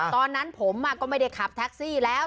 ตอนนั้นผมก็ไม่ได้ขับแท็กซี่แล้ว